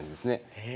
へえ！